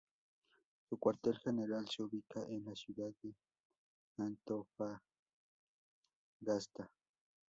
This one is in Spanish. Su cuartel general se ubica en la ciudad de Antofagasta.